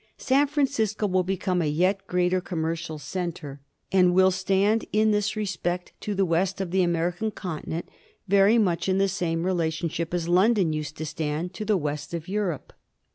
San Francisco will become a yet greater com mercial centre, and will stand in this respect to the west of the American Continent very much in the same rela tionship as London used to stand to the west of Europe.